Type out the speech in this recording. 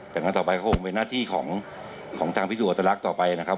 อย่างนั้นต่อไปก็คงเป็นหน้าที่ของทางพิสูจนอัตลักษณ์ต่อไปนะครับ